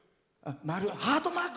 ハートマーク！